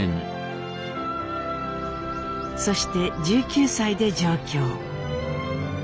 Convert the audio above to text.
そして１９歳で上京。